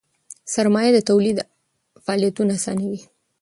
سرمایه د تولید فعالیتونه آسانوي.